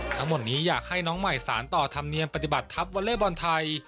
ทั้งหมดนี้อยากให้น้องใหม่สารต่อธรรมเนียมปฏิบัติทัพวอเล่บอลไทย